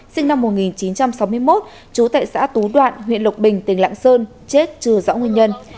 sinh năm một nghìn chín trăm sáu mươi một chú tại xã tú đoạn huyện lộc bình tỉnh lạng sơn chết trừ dõi nguyên nhân